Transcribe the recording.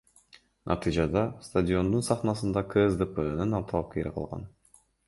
Натыйжада стадиондун сахнасында КСДПнын талапкери калган.